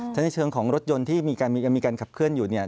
เช่นในเชิงของรถยนต์ที่มีการขับเคลื่อนอยู่